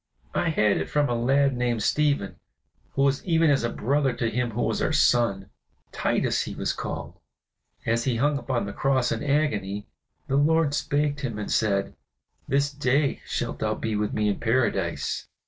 "I had it from a lad named Stephen, who was even as a brother to him who was our son Titus, he was called. As he hung upon the cross in agony, the Lord spake to him and said, 'This day shalt thou be with me in Paradise.